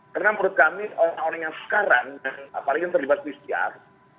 karena menurut kami orang orang yang sekarang apalagi yang terlibat di istiar